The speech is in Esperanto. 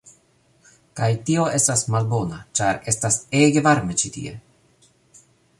kaj tio estas malbona, ĉar estas ege varme ĉi tie